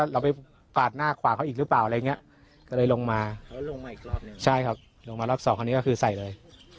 รถ๒ครั้งนี้ก็คือใส่เลย